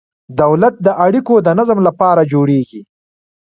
دولت د اړیکو د نظم لپاره جوړیږي.